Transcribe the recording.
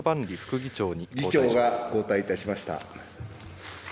議長が交代いたしました。